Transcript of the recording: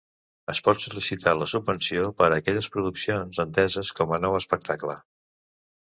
Es pot sol·licitar la subvenció per a aquelles produccions enteses com a nou espectacle.